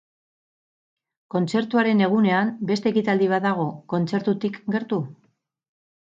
Kontzertuaren egunean beste ekitaldi bat dago kontzertutik gertu?